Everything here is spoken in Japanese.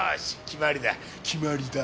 決まりだ。